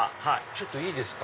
ちょっといいですか？